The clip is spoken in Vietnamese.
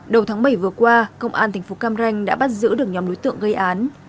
đầu tháng bảy vừa qua công an thành phố cam ranh đã bắt giữ được nhóm đối tượng gây án